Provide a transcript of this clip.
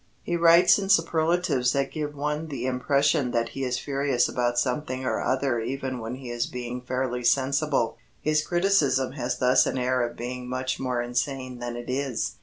He writes in superlatives that give one the impression that he is furious about something or other even when he is being fairly sensible. His criticism has thus an air of being much more insane than it is.